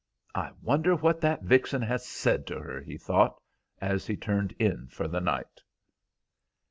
"I wonder what that vixen has said to her," he thought, as he turned in for the night.